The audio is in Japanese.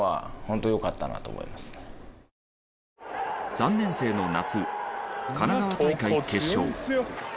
３年生の夏神奈川大会決勝。